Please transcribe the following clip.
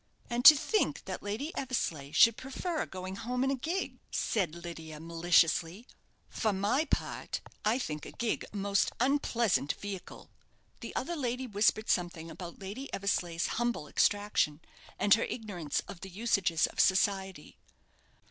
"And to think that Lady Eversleigh should prefer going home in a gig," said Lydia, maliciously; "for my part, I think a gig a most unpleasant vehicle." The other lady whispered something about Lady Eversleigh's humble extraction, and her ignorance of the usages of society.